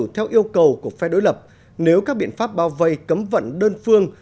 theo yêu cầu của phe đối lập nếu các biện pháp bao vây cấm vận đơn phương